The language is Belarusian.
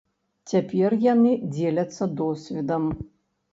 Цяпер яны дзеляцца досведам.